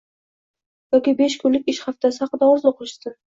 Yoki besh kunlik ish haftasi haqida orzu qilishsin.